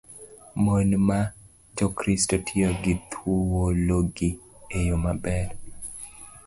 Mon ma Jokristo tiyo gi thuologi e yo maber.